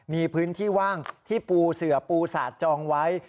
มีพื้นที่ว่างที่ปูเสือปูสาดจองไว้